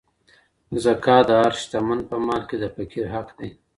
زکات د هر شتمن په مال کي د فقیر حق دی.